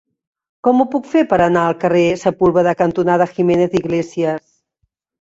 Com ho puc fer per anar al carrer Sepúlveda cantonada Jiménez i Iglesias?